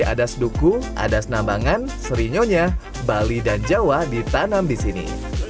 setiap jenis jeruk pamelo seperti adas duku adas nambangan serinyonya bali dan jawa ditanam di sini